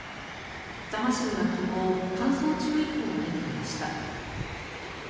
座間市には昨日乾燥注意報が出ていました。